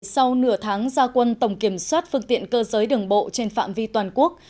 sau nửa tháng gia quân tổng kiểm soát phương tiện cơ giới đường bộ trên phạm vi toàn quốc